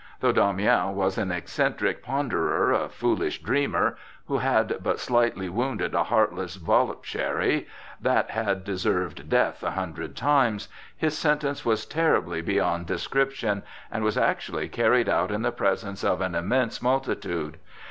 Though Damiens was an eccentric ponderer, a foolish dreamer, who had but slightly wounded a heartless voluptuary that had deserved death a hundred times, his sentence was terrible beyond description, and was actually carried out in the presence of an immense multitude.